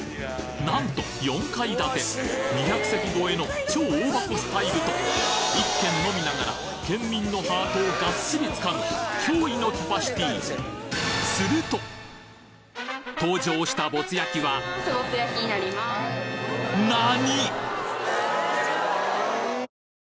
なんと４階建て２００席超えの超大箱スタイルと１軒のみながら県民のハートをガッチリ掴む驚異のキャパシティー登場したぼつ焼は何？